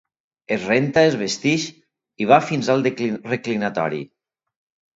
Es renta, es vesteix i va fins al reclinatori.